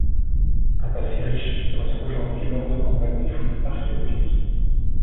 Un passé riche qui ressort aujourd'hui lors de campagnes de fouilles archéologiques.